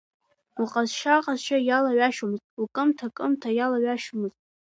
Лҟазшьа, ҟазшьа иалаҩашьомызт, лкымҭа кымҭа иалаҩашьомызт.